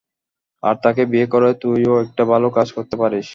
আর তাকে বিয়ে করে তুইও একটা ভালো কাজ করতে পারিস।